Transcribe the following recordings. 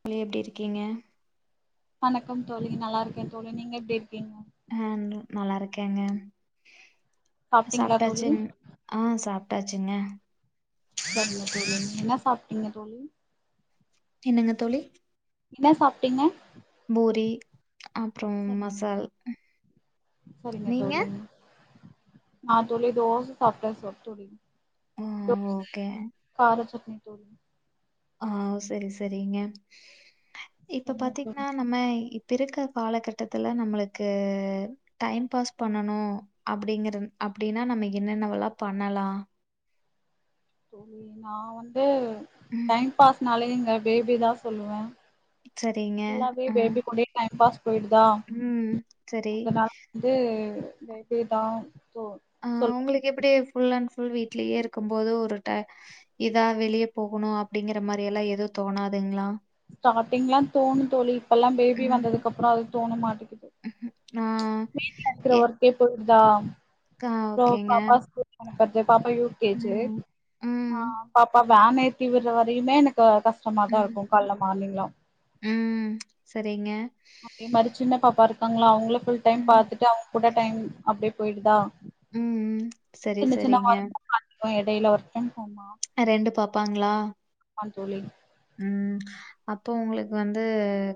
தோழி எப்டி இருக்கீங்க வணக்கம் தோழி நல்லா இருக்கே தோழி நீங்க எப்டி இருக்கீங்க ஆ நல்லா இருக்கேங்க சாப்ட்டீங்களா தோழி சாப்டாச்சுங் ஆ சாப் ட்டாச்சுங்க [unintelligible] [unintelligible] என்ன சாப்டீங்க தோழி என்னங்க தோழி என்ன சாப்டீங்க பூரி அப்றோ [inaudible] மசால் செரிங்க நீங்க தோழி ஆ தோழி தோசை சாப்ட சொட் தோழி ஆ தோசை ஓகே காரசட் னி தோழி ஆ செரி செரிங்க இப்ப சரிங்க பாத்தீங்கனா தோழி நம்ம இப்ப இருக்க காலகட்டத்துல நம்மளுக்கு டைம் பாஸ் பண்ணணு அப்டிங்கற அப்டினா நம என்னென்ன வெல்லாம் பண்ணலாம் தோழி நான் வந்து ம் டைம் பாஸ்னாலயே எங்க பேபி தான் சொல்லுவேன் சரிங்க எல்லாமே ஆ பேபி கூட டைம் பாஸ் போயிடுதா ம் சரி அதனால வந்து பேபி தான் ஆ உங்களுக்கு எப்படி புள்ளன் அண்ட் ஃபுல் வீட்லயே இருக்கும் போது ஒரு டயம் ஏதாவது வெளியே போகணும் அப்படிங்கற மாரி எல்லாம் எதுவும் தோணாதுங்களா ஸ்டாடிங்ல எல்லாம் தோனும் தோழி இப்ப எல்லாம் பேபி ம்ஹ்ம். வந்ததுக்கு அப்புறம் அது தோன மாட்டேங்கிது ஆ வீட்டுல இருக்கிற ஏ ஒர்க்கே போய தா கா சோ ஓகேங்க பாப்பா ஸ்கூல்கு அனுப்புறது பாப்பா யூகேஜி ம் ம் பாப்பா வேன் ஏத்தி விட்ற வரையுமே க கஷ்டமா தா ம் இருக்கு கால்ல மார்னிங்லா ம் சரிங்க காங்கள அவுங்களு ஃபுல் டைம் ம் பாத்துட்டு அவு கூட டைம் அப்டியே போய்டுதா ம் ம் சரி சரிங்க ஒர்க் எடையில [unintelligible] ரெண்டு பாப்பாங்களா ஆம் தோழி ம் அப்போ உங்களுக்கு வந்து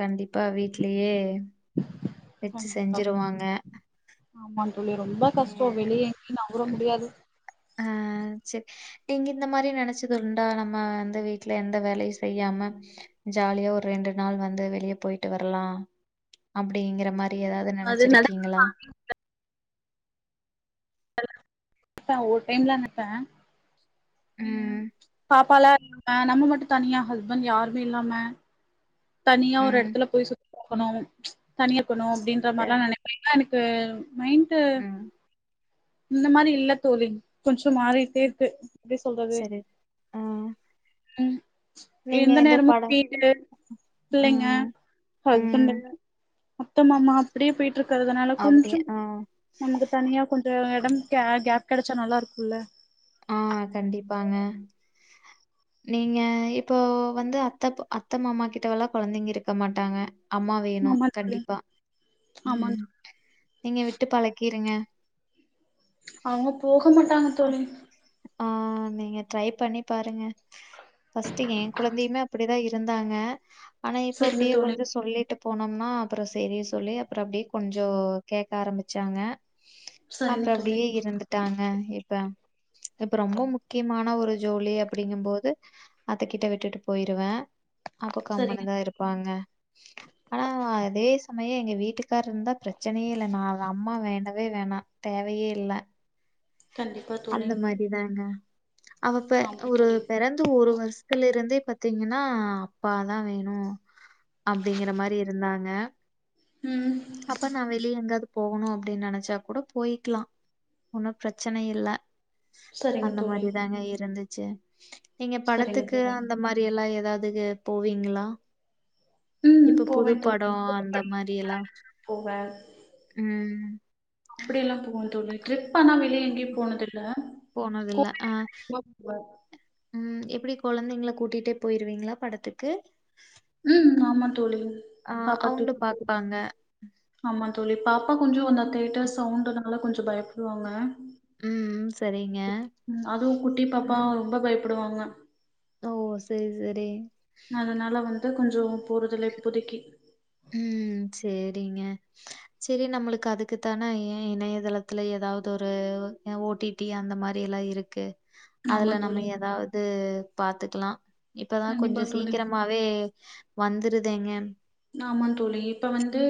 கண்டிப் அப்ப வீட்லயே வெச்சி செஞ்சிருவாங்க ஆமாங் தோழி ரொம்ப கஷ்டொ வெளிய எங்கயு நவ்ர முடியாது ஆ சரி நீங்க இந்த மாரி நெனச்சதுண்டா நம்ம வந்து வீட்ல எந்த வேலையு செய்யாம ஜாலியா ஒரு ரெண்டு நாள் வந்து வெளிய போயிட்டு வர்லா அப்டிங்கிற மா ஏதாவ்து அது நடக்க நெனச்சிருக்கீங்களா [inaudible] ஒரு டைம்ல நெனப்ப ம் பாப்பாலா ஆ நம்ம மட்டு தனியா ஹஸ்பண்ட் யாருமே இல்லாம தனியா ஒரு ம் எடத்துல போய் சுத் போகணு தனியா போகணு அப்டின்ற ச மாரில்லா நெனப்ப ஏனா எனக் [unintelligible] ம் இந்த மாரி இல்ல தோழி கொஞ்சொ மாறிக்கிட்டே இருக்கு எப்டி சொல்றது சரி ஆ ம் நீங்க எந்த நேரமு படம் வீடு பிள்ளைங்க ம் ம் ஹஸ்பண்டு அத்த மாமா அப்டியே போயிட் ருக்கறதுனால அப்டி கொஞ்சொ ஆ நமக்கு தனியா கொஞ் ஆ எடம் கே கேப் கெடச்சா நல்லா இருக்குல்ல ஆ கண்டிப்பாங்க நீங்க இப்போ வந்து அத்தப் அத்த மாமா கிட்டவல்லா கொழந்தைங்க இருக்க மாட்டாங்க அம்மா வேணு ஆமா தோழி கண்டிப்பா ஆமா ம் தோழி நீங்க விட்டு பழக்கி இருங்க அவங்க போக மாட்டாங்க தோழி ம் நீங்க ட்ரை பண்ணி பாருங்க ஃபர்ஸ்ட் எ குழந்தையுமே அப்படிதான் இருந்தாங்க ஆனா இப்ப சரிங்க அப்படியே தோழி கொஞ்சோ சொல்லிட்டு போனோம்னா அப்புறோ செரி சொல்லி அப்புறோ அப்படியே கொஞ்சோ கேக்க ஆரம்பிச்சாங்க சரிங்க அப்புறோ தோழி அப்படியே இருந்துட்டாங்க இப்ப இப்ப ரொம்ப முக்கியமான ஒரு ஜோலி அப்படிங்கும் போது அத்த கிட்ட விட்டுட்டு போயிருவே அப்ப கம்முனு சரிங்க தான் இருப்பாங்க ஆனா அதே சமயம் எங்க வீட்டுக் காரு இருந்தா பிரச்சனேயே இல்ல நா வா அம்மா வேண்டவே வேணா தேவையே இல்ல கண்டிப்பா தோழி அந்த மாதிரி தாங்க அவப்ப ஆமா ஒரு தோழி பெறந்து ஒரு வருஷத்துல இருந்தே பாத்தீங்கன்னா அப்பாதான் வேணும் அப்படிங்கற மாரி இருந்தாங்க ம் அப்ப நான் வெளியே எங்காவது போகணும் அப்படின்னு நெனச்சா கூட போயிக்கலா உனக் பிரச்சன இல்ல சரிங்க அந்த தோழி மாரி தாங்க இருந்துச் ச்சு எங்க சரிங்க படத்துக்கு தோழி அந்த மாதிரி எல்லா எது ஏதாவதுகு போவீங்களா ம் இப்ப போவே புது தோழி படம் அந்த மாரி எல்லா போவே ம் ரிப் இப்பனா வெளிய எங்கே போனது இல்ல போனதில்ல. ஆ. [unintelligible] ம். எப்படி குழந்தைங்கள கூட்டிட்டே போயிருவீங்களா படத்துக்கு ம் ஆமா தோழி ஆ பாப்பா அவங்களும் பார்ப்பாங்க. [unintelligible] ஆமா தோழி பாப்பா கொஞ்சோ அந்த தேட்டர்ஸ் சவுண்டனால கொஞ்சோ பயப்படுவாங்க ம். சரிங்க. அதுவும் குட்டி பாப்பா ம். ரொம்ப பயப் ப்படுவாங்க ஓ செரி செரி அதான் கொஞ்சோ போறதில்ல இப்போதைக்கு உம் செரிங்க செரி நம்மளுக்கு அதுக்குத்தான ஏ இணையதளத்துல ஏதாவது ஒரு ஒ ஓ டி டி அந்த மாரி எல்லா இருக்கு ஆமா அதுல நம்ம தோழி ஏதாவது பாத்துக்கலா இப்பதா கண்டிப்பா கொஞ்ச தோழி சீக்கிரமாவே வந்துருதுங்க நாமா தோழி இப்ப வந்து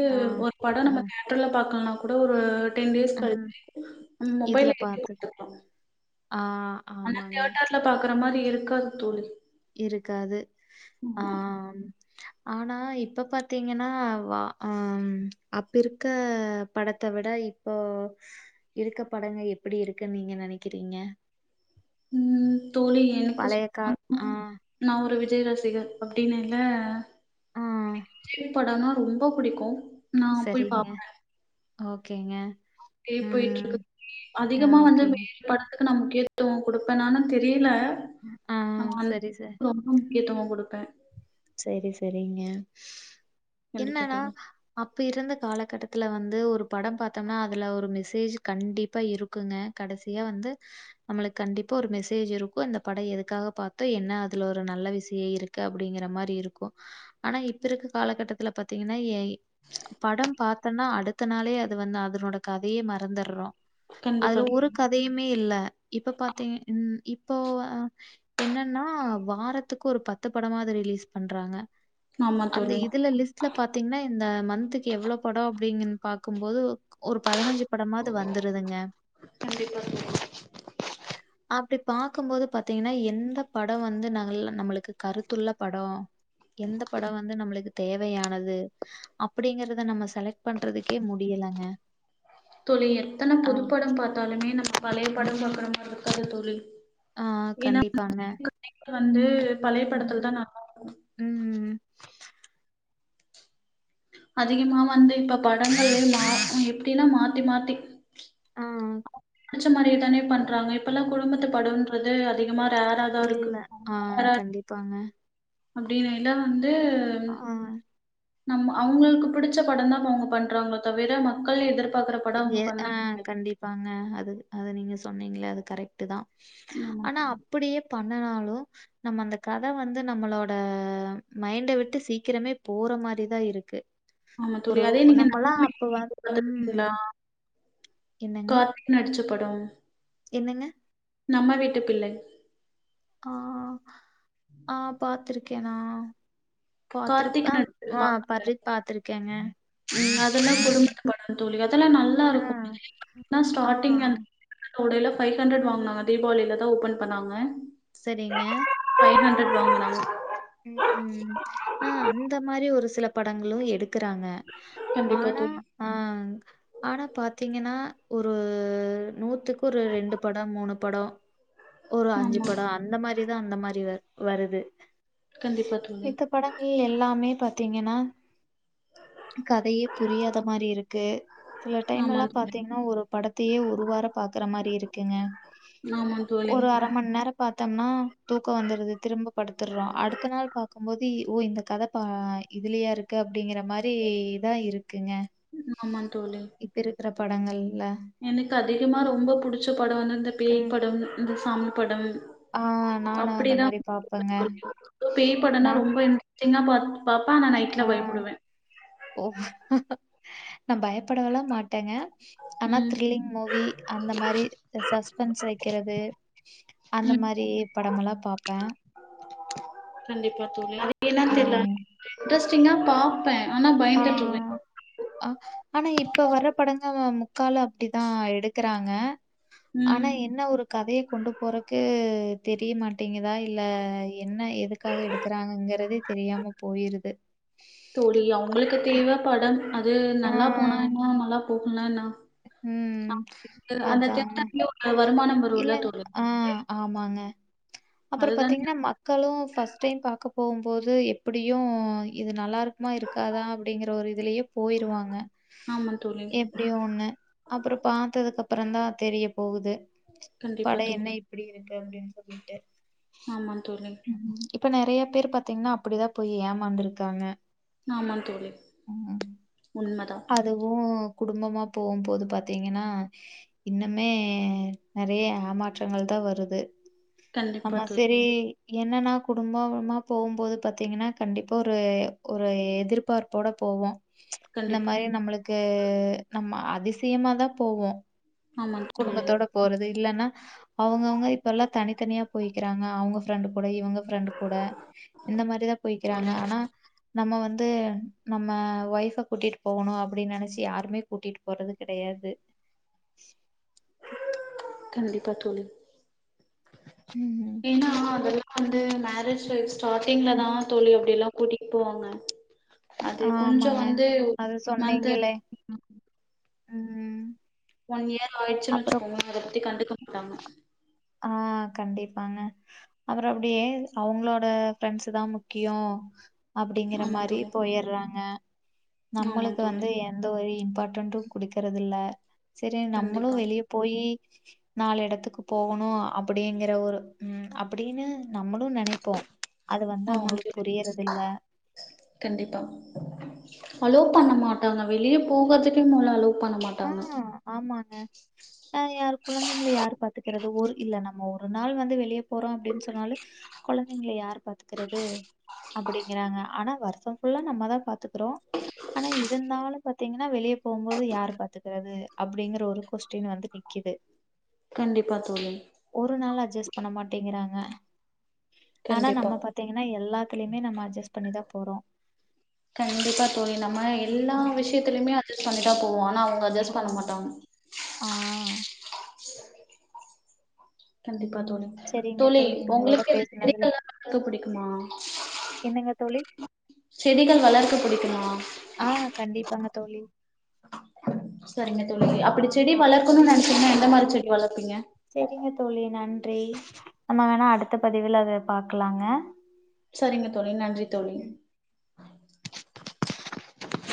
ஒரு படம் ஆ நம்ம தியட்டர்ல பாக்கல கூட ஒரு டென் டேய்ஸ் ம் கழிச்சி இதுல மொபைல்ல [inaudible] பாத்து ஆ ஆமாங்க. தியேட்டர்ல பாக்கற அந்த மாரி இருக்கா தோழி இருக்காது ஆமா. ஆம் ஆனா இப்ப பாத்தீங்கன்னா வா அ அப்ப இருக்க படத்தை விட இப்போ இருக்க படங்க எப்படி இருக்குன்னு நீங்க நெனைக்கிறீங்க ம் தோழி எனக்கு பழைய கா ஆ [unintelligible] நான் ஒரு விட் விஜய் ரசிகர் அப்படின்னல்ல ஆ விஜய் படம்னா ரொம்ப பிடிக்கும் நான் போய் சரிங்க. பாப்பே ஓகேங்க அப்டியே போயிட்டு இருக்கு ம். ஆ அதிகமா வந்து ஓகேங்க. வேறு பட க்கு நான் முக்கியத்துவம் கொடுப்பேன்னான்னு தெரியல ஆ சரி சார் முக்கியதுவம் கொடுப்பே சரி சரிங்க கண்டிப்பா என்னன்னா தோழி. அப்ப இருந்த காலகட்டத் பத்துல வந்து ஒரு படம் பார்த்தோம்னா அதுல ஒரு மெசேஜ் கண்டிப்பா இருக்குங்க கடைசியா வந்து நம்மளுக்கு கண்டிப்பா ஒரு மெசேஜ் இருக்கு அந்த படம் எதுக்காக பாத்தோ என்ன அதுல ஒரு நல்ல விஷயம் இருக்கு அப்படிங்கற மாரி இருக்கும் ஆனா இப்ப இருக்க காலகட்டத்துல பாத்தீங்கன்னா படம் பாத்தோன்னா அடுத்த நாளே அது வந்து அதனோட கதையே மறந்தடறோ கண்டிப்பா அதுல தோழி. ஒரு கதையுமே இல்ல இப்ப பாத்தீங் ம் இப்போ என்னன்னா வாரத்துக்கு ஒரு பத்து படமாவது ரிலீஸ் பண்றாங்க ஆமா அந்த தோழி. இதுல லிஸ்ட்ல பாத்தீங்கன்னா இந்த ம மன்த்துக்கு எவ்ளோ படம் அப்படிங்கின் பாக்கும்போது ஒரு பதினஞ்சு படமாவது வந்துருதுங்க கண்டிப்பா தோழி [unintelligible] பாக்கும்போது பாத்தீங்கன்னா எந்த படம் வந்து நல்லா நம்மளுக்கு கருத்துள்ள படம் எந்த படம் வந்து நம்மளுக்கு தேவையானது அப்படிங்கிறத நம்ம செலெக்ட் பண்றதுக்கே முடியலங்க தோழி எத்தன ஆ, புது படம் பாத்தாலுமே நம்ம பழைய படம் பாக்கற மாரி இருக்காது தோழி அ ஏன்னா கண்டிப்பாங்க. கதைகள் வந்து பழயப்படத்துல ம், தான் நல்லா இருக்கு ம். அதிகமா வந்து இப்ப படங்கள் மா எப்படின்னா மாத்தி மாத்தி ஆஹ் பிடிச்ச மாதிரே தானே பண்றாங்க இப்பெல்லாம் குடும்பத்து படன்றது அதிகமா ரேரா தா இருக்கு இல்ல ஆஹ் கண்டிப்பாங்க அப்படின்னுல்ல ந்து ஆ நம்ம அவங்களுக்கு பிடிச்ச படம் தான் அவங்க பண்றாங்கள தவிர மக்கள் எதிர் இதே ஆஹ் கண்டிப்பாங்க அது அது நீங்க சொன்னீங்களே அது கரெக்ட்டு தான் ஆமா ஆனா அப்படியே ப ன்னனாலும் நம்ம அந்த கத வந்து நம்மளோட மைண்ட விட்டு சீக்கிரமே போற மாரிதான் இருக்கு ஆமா தோழி ஒரு அதே நீங்க நம்ம நம்மெல்லாம் வீட்டு அப்ப வந் பிள்ளை உம் பாத்துருக்கீங்களா கார்த்திக் நடிச்ச படம் என்னங்க நம்ம வீட்டு பிள்ளை ஆஹ் ஆஹ் பாத்துருக் க்கேனா கார்த்திக் நடிச்சிருப்பாங்கள்லே பர்ரித் பாத்துருக்கேங்க. அதெல்லாம் ம். குடும்பத்து படம் தோழி அதெல்லாம் நல்லா ஆ, இருக்கும் ஆ. ஸ்டாட்டிங் அந்த உடையல பைவ்ஹண்டர்ட் வாங்குனாங்க தீபாவளில தான் ஓப்பன் பண்ணாங்க சரிங்க எயிட் ஹண்ட்ரட் வாங்கனாங்க [unintelligible] உம் ஆஹ் அந்த மாரி ஒரு சில படங்களும் எடு இருக்கறாங்க கண்டிப்பா ஆனா தோழி. அஹ் ஆனா பாத்தீங்கன்னா ஒரு நூத்துக்கு ஒரு ரெண்டு படம் மூணு படம் ஒரு அஞ்சு ஆமா. படம் அந்த மாதிரி தான் அந்த மாதிரி வருது கண்டிப்பா தோழி. மித்த படங்கள் எல்லாமே பாத்தீங்கன்னா கதையே புரியாத மாதிரி இருக்கு சில டைம் ஆமா எல்லாம் தோழி. பார்த்தீங்கன்னா ஒரு படத்தையே ஒரு வாரம் பாக்குற மாதிரி இருக்குங்க ஆமா தோழி. ஒரு அரை மணி நேரம் பார்த்தோம்னா தூக்கம் வந்துடுது திரும்ப படுத்துடுறோம் அடுத்து பார்க்கும்போது ஓ இந்த கதை இதுலயா இருக்கு அ அப்படிங்கற மாதிரி தான் இருக்குங்க ஆமா தோழி. இப்ப இரு பிறப்படங்கள் எனக்கு அதிகமா ரொம்போ புடிச்ச படோ வந்து இந்த பேய் ம். படம் இந்த சாமி படம் ஆ நானு அந்த அப்படிதான் மாரி பாப்பேங்க நான் சின்னபாட் பாப்பே ஆனா நைட்ல ஆ பயப்புடுவே நா பயப்படவல்லா மாட்டேங்க ஆனா ம். த்ரில்லிங் மூவி அந்த மாரி சஸ்பென்ஸ் வெக்கிறது அந்த ம். மாரி படமெல்லா பாப் கண்டிப்பா தோழி ஆ [inaudible] ஜஸ் சின்னப்பா பே ஆனா பயந்துட்டுவே ஆ ஆனா இப்ப வர்ற படங்கள்ல முக்காலூ அப்படிதா எடுக்குறாங்க ஆனா ம் என்ன ஒரு கதைய கொண்டு போறக்கு தெரியமாட்டேங்குதா இல்ல என்ன எதுக்காக எடுக்கறாங்கங்கிறதே தெரியாம போயிருது உங்களுக்கு தெளிவா படம் அது ஆ. நல்லா போனா இன்னூ நல்லா போகுனேனா ம் அதாங்க தியேட்டர்லயே ஒரு வருமானம் வருல்ல இல்லங் தோழி ஆ ஆமாங்க அப்றோ அதுதானே பாத்தீங்கன்னா மக்களூ ஃபஸ்ட் டைம் பாக்கப் போம்போது எப்டியூ இது நல்லாருக்குமா இருக்காதா அப்படிங்கிற ஒரு இதுலயே போயிருவாங்க ஆமா தோழி எப்டியோ ஒன்னு அப்றோ பாத்ததுக்கப்றோந்தா தெரிய போகுது கண்டிப்பா படோ என்ன தோழி இப்டி எப்டின் சொல்லி எ ஆமா தோழி இப்ப நெறைய பேர் பாத்தீங்னா அப்டிதா போய் ஏமாந்துருக்காங்க ஆமா தோழி உண் அதுவூ குடும்பமா போவும்போது பாத்தீங்கன்னா இன்னமே நறைய எமாற்றங்கள் தா வருது கண்டிப்பா ஆமா தோழி செரி என்னன்னா குடும்பமா போவும்போது பாத்தீங்கனா கண்டிப்பா ஒரு ஒரு எதிர்பார்ப்போட போவோ இந்த கண்டிப்பா மாரி நம்மளுக்கு நம்ம அ திசியமாதா போவோ ஆமா தோழி குடும்பத்தோட போறது இல்லனா அவங்கவுங்க இப்ப எல்லா தனித்தனியா போயிகிறாங்க அவுங்க ஃப்ரெண்ட் கூட இவங்க ஃப்ரெண்ட் கூட இந்த மாரிதா போய்கிறாங்க தோழி ஆனா நம்ம வந்து நம்ம வைஃப கூட்டிட்டு போகணு அப்டின்னு நனைச்சு யாருமே கூட்டிட்டு போறது கெடையாது [inaudible] கண்டிப்பா தோழி ம். ஏனா அதல்லா அது மேரேஜ் லைஃப்ஸ் ஸ்டார்ட்டிங்ல தா தோழி அப்டிலா கூட்டிட்டு போவாங்க அது கொஞ்சோ ஆமாங்க. வந்து அது மந்த் [inaudible] சொன்னீங்களே. ம். ஒன் இயர் ஆயிடுச்சுன் அப்புறம் வச்சுக்கோங்கலே அதபத்தி கண்டுக்க மாட்டாங்க ஆ கண்டிப்பாங்க அப்ரோ அப்படியே அவங்களோட ஃப்ரெண்ட்ஸ் தா முக்கியோ அப்டிங்கற ஆமா மாரி தோழி போயர்றாங்க ஆமா நம்மளுக்கு தோழி வந்து எந்த ஒரு பட்டொன்று குடிக்கறது இல்ல செரி நம்மளு கண்டிப்பா வெளிய போயி நாலு எடத்துக்கு போகோணு அப்டிங்கற ஒரு ம் அப்பிடின்னு நம்முளு நெனைப்போ அது வந்து ஆமா அவங்களுக்கு தோழி புரியறது இல்ல கண்டிப்பா அலோ பண்ண மாட்டாங்க வெளியே போகர்துக்கே மொதுல அலோ பண்ண ஆ மாட்டாங்க ஆமாங்க ஆ யார் குழந்தைங்கல யாரு பாத்துக்கிறது ஒரு இல்ல நம்ம ஒரு ஒரு நாள் வந்து வெளிய போறோ அப்டின்னு சொன்னாலே குழந்தைங்கள யாரு பாத்துக்கறது அப்படிங்கறாங்க ஆனா வர் ஷ ஃபுல்லா நம்ம தா பாத்துக் கறோ ஆனா இருந்தாலு பாத் திங்கன்னா வெளியே போகும்போது யார் பாத் துக்கறது அப்படிங்கற ஒரு கொஸ்டின் வந்து நிக்குது கண்டிப்பா தோழி அட்ஜஸ்ட் பண்ண மாட்டேங்கிறாங்க ஆனா கண்டிப்பா நம்ம பாத்தீங்கன்னா எல்லாத்துலயுமே நம்ம அட்ஜஸ்ட் பண்ணிதான் போறோம் கண்டிப்பா தோழி நம்ம எல்லா ஆ விஷயத்திலயுமே அட்ஜஸ் பண்ணி ட்டு தா போவோ அட்ஜஸ் ஆ பண்ண மாட்டாங்க ஆ கண்டிப் பா தோனுது சரிங்க தோழி உங்களோட ஒங்களுக்கு பேசுனதுல மெடிக்கல் நா [unintelligible] புடிக்குமா என்னங்க தோழி செடிகள் வளர்க்க புடிக் குமா ஆ கண்டிப்பாங்க தோழி செரிங்க தோழி ஆ அப்டி செடி அடுத்த வளர்க்கணுனு பதிவுல நெனச்சீங்கனா எந்த மாரி பாக்கலாங்க செடி வளர்ப்பீங்க சரிங்க தோழி நன்றி நம்ம வேணா அடுத்த பதிவுல அத பாக்கலாங்க சரிங்க தோழி நன்றி தோழி உஹ